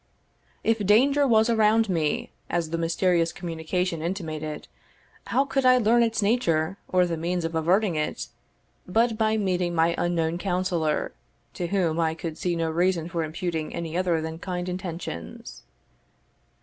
If danger was around me, as the mysterious communication intimated, how could I learn its nature, or the means of averting it, but by meeting my unknown counsellor, to whom I could see no reason for imputing any other than kind intentions.